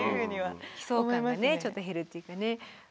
悲壮感がちょっと減るっていうかね。